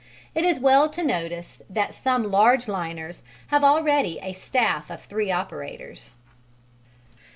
It is well to notice that some large liners have already a staff of three operators.